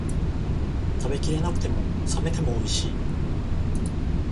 食べきれなくても、冷めてもおいしい